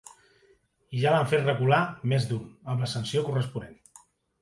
I ja n’han fet recular més d’un, amb la sanció corresponent.